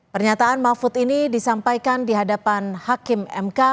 pernyataan mahfud ini disampaikan di hadapan hakim mk